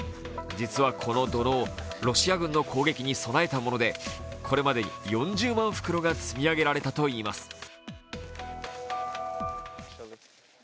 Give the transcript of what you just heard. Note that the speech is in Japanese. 実はこの土のう、ロシア軍の攻撃に備えたものでこれまでに４０万袋が積み上げられたといいます。